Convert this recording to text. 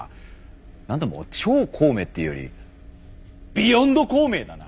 何だもう超孔明っていうよりビヨンド孔明だな！